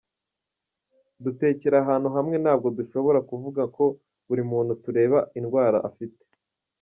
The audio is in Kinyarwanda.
Dutekera ahantu hamwe ntabwo dushobora kuvuga ko buri muntu tureba indwara afite”.